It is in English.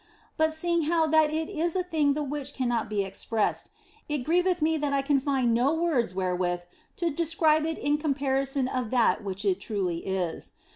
But seeing how that it is a thing the which cannot be expressed, it grieveth me that I can find no words wherewith to describe it in comparison of that which it truly is.